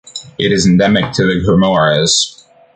It is endemic to the Comores.